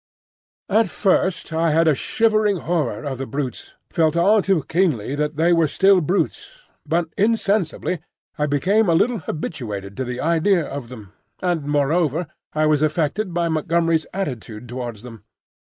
At first I had a shivering horror of the brutes, felt all too keenly that they were still brutes; but insensibly I became a little habituated to the idea of them, and moreover I was affected by Montgomery's attitude towards them.